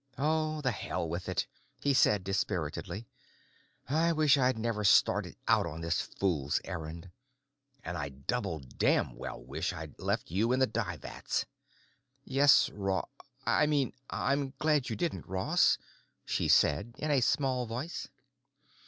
"Oh, the hell with it," he said dispiritedly. "I wish I'd never started out on this fool's errand. And I double damn well wish I'd left you in the dye vats." "Yes, Ro——I mean, I'm glad you didn't, Ross," she said in a small voice.